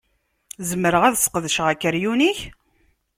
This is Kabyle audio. Zemreɣ ad ssqedceɣ akeryun-ik?